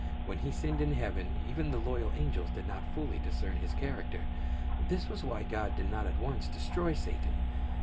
When he sinned in heaven, even the loyal angels did not fully discern his character. This was why God did not at once destroy Satan.